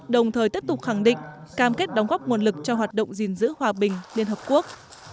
đồng thời tiếp tục khẳng định cam kết đóng góp nguồn lực cho hoạt động gìn giữ hòa bình liên hợp quốc